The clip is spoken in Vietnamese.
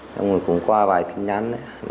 mình cũng qua vài tin nhắn